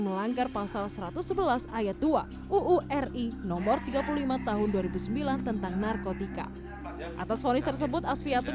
melanggar pasal satu ratus sebelas ayat dua uu ri nomor tiga puluh lima tahun dua ribu sembilan tentang narkotika atas vonis tersebut asviatun